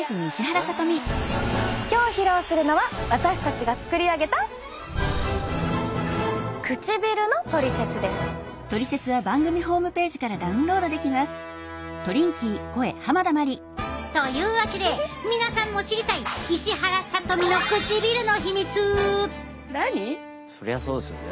今日披露するのは私たちが作り上げた唇のトリセツです！というわけで皆さんも知りたいそりゃそうですよね。